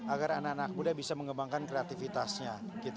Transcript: agar anak anak muda bisa mengembangkan kreativitasnya